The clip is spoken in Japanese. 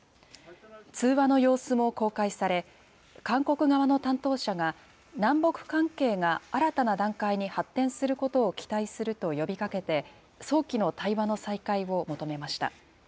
通話の様子も公開され、韓国側の担当者が南北関係が新たな段階に発展することを期待すると呼びかけて、早期の対話の再開を求めました。